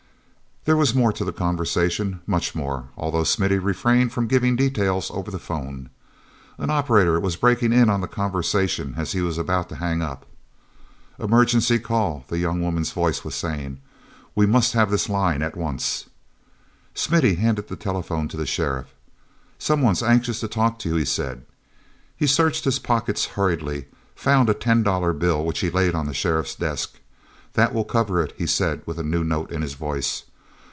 There was more to the conversation, much more, although Smithy refrained from giving details over the phone. An operator was breaking in on the conversation as he was about to hang up. "Emergency call," the young woman's voice was saying. "We must have the line at once." mithy handed the telephone to the sheriff. "Someone's anxious to talk to you," he said. He searched his pockets hurriedly, found a ten dollar bill which he laid on the sheriff's desk. "That will cover it," he said with a new note in his voice.